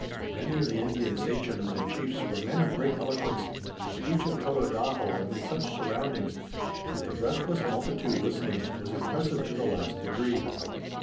Many of the Indian sachems and chiefs were men of great eloquence, and the speech of Tododaho amid such surroundings, with the breathless multitude listening, was impressive to the last degree.